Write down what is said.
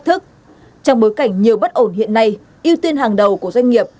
trong bối cảnh nhiều bất ổn hiện nay ưu tiên hàng đầu của doanh nghiệp